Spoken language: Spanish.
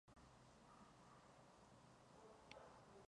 Entonces, el jugador X pierde y su adversario Y gana.